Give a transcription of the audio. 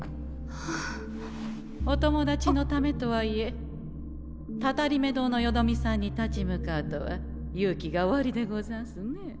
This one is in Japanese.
お友達のためとはいえたたりめ堂のよどみさんに立ち向かうとは勇気がおありでござんすね。